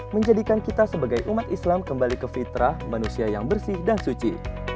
menjadikan kita sebagai umat islam kembali ke fitrah manusia yang bersih dan suci